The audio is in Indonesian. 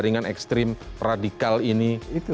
jaringan ekstrim radikal ini